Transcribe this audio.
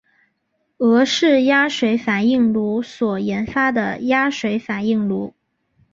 俄式压水反应炉所研发的压水反应炉。